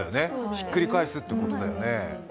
ひっくり返すということだよね。